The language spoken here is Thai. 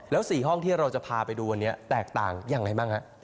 แล้ว๔ห้องที่เราจะพาไปดูวันนี้แตกต่างยังไงบ้างฮะ